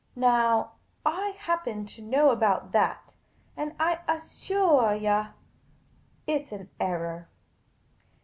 Now, I happen to know about that, and I assuah you, it 's an error.